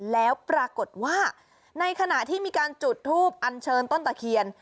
แล้วปรากฏว่าในขณะที่มีการจุดทูปอันเชิญต้นตะเคียน